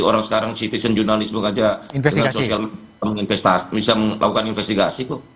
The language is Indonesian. orang sekarang citizen journalism aja bisa melakukan investigasi kok